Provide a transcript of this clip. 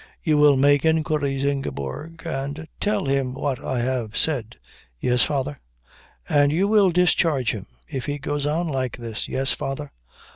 You will make inquiries, Ingeborg, and tell him what I have said." "Yes, father." "And you will discharge him if he goes on like this." "Yes, father."